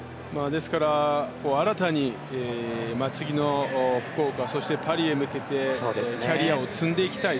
ですから、新たに次の福岡、そしてパリへ向けてキャリアを積んでいきたい。